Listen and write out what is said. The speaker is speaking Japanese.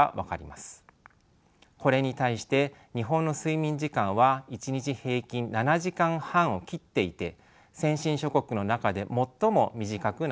これに対して日本の睡眠時間は１日平均７時間半を切っていて先進諸国の中で最も短くなっています。